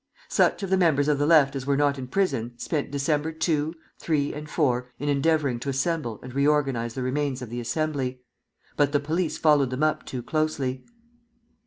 Such of the members of the Left as were not in prison spent December 2, 3, and 4 in endeavoring to assemble and reorganize the remains of the Assembly; but the police followed them up too closely.